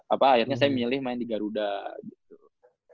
apa akhirnya saya milih main di garuda gitu